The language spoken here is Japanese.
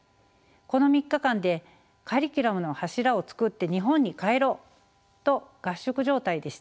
この３日間でカリキュラムの柱を作って日本に帰ろう！」と合宿状態でした。